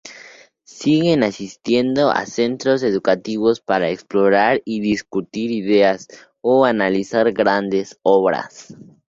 Siguen asistiendo a centros educativos para explorar y discutir ideas, o analizar grandes obras.